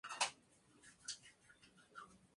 Era un animal mediano, cercano al metro de longitud.